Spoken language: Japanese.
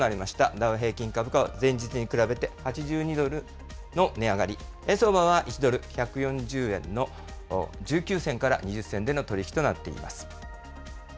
ダウ平均株価は前日に比べて８２ドルの値上がり、円相場は１ドル１４０円の１９銭から２０銭での取り引きとなっています。